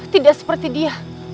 tidak seperti dia